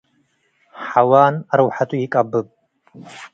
ሐዋን አርወሐቱ ኢቀብብ።